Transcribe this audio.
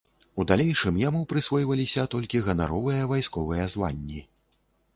У далейшым яму прысвойваліся толькі ганаровыя вайсковыя званні.